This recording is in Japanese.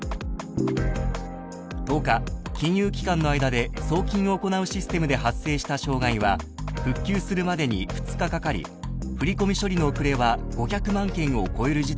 ［１０日金融機関の間で送金を行うシステムで発生した障害は復旧するまでに２日かかり振込処理の遅れは５００万件を超える事態となりました］